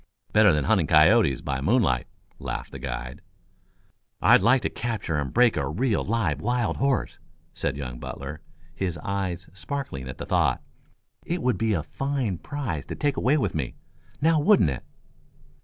Better than hunting coyotes by moonlight," laughed the guide. "I'd like to capture and break a real live wild horse," said young Butler, his eyes sparkling at the thought. "It would be a fine prize to take away with me, now wouldn't it?"